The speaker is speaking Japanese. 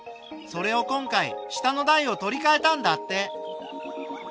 それを今回下の台を取りかえたんだって。